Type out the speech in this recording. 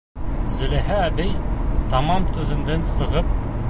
Зөләйха әбей, тамам түҙемдән сығып: